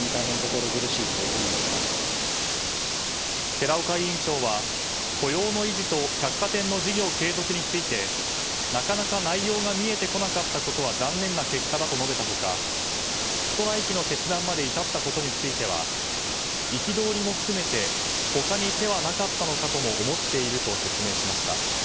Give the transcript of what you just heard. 寺岡委員長は雇用の維持と百貨店の事業継続についてなかなか内容が見えてこなかったことは残念な結果だと述べた他ストライキの決断まで至ったことについては憤りも含めて他に手はなかったのかとも思っていると説明しました。